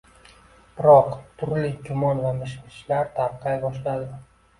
Biroq turli gumon va mishmishlar tarqay boshladi